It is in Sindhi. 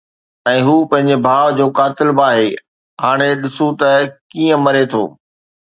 ۽ هو پنهنجي ڀاءُ جو قاتل به آهي. هاڻي ڏسون ته ڪيئن مري ٿو.